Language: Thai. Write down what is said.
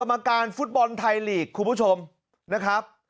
มาการฟุตบอลไทยลีกคุณผู้ชมนะครับ